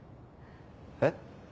えっ？